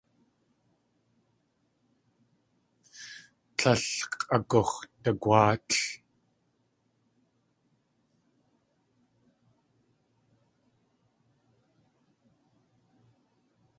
Tlél k̲ʼagux̲dagwáatl.